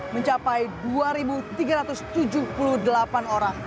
mencapai dua tiga ratus tujuh puluh delapan orang